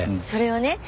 それをね